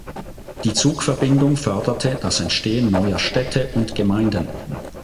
Die Zugverbindung förderte das Entstehen neuer Städte und Gemeinden.